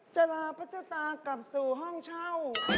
จะลาพัชตากลับสู่ห้องเช่า